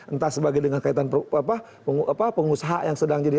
entah sebagai dengan kaitan pengusaha yang sedang jadi